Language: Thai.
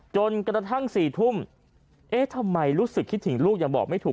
จนกระทั่ง๔ทุ่มเอ๊ะทำไมรู้สึกคิดถึงลูกยังบอกไม่ถูก